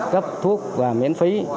cắp thuốc miễn phí